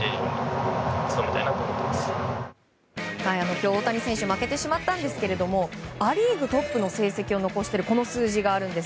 今日、大谷選手負けてしまったんですけれどもア・リーグトップの成績を残している数字があるんです。